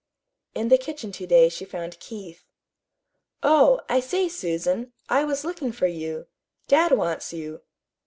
In the kitchen to day she found Keith. "Oh, I say, Susan, I was looking for you. Dad wants you."